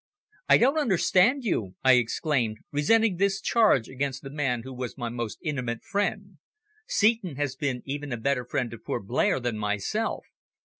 "I don't understand you," I exclaimed, resenting this charge against the man who was my most intimate friend. "Seton has been even a better friend to poor Blair than myself."